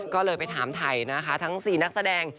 ก็เลยไปถามไทยนะคะทั้ง๔นักแสดง